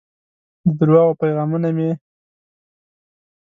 د درواغو پیغامونه مې